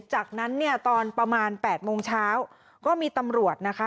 จากนั้นเนี่ยตอนประมาณ๘โมงเช้าก็มีตำรวจนะคะ